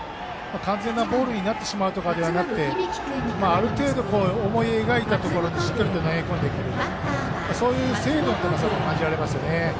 完全なボールになってしまうのではなくある程度思い描いたところにしっかりと投げ込んでいくそういう精度の高さが感じられますね。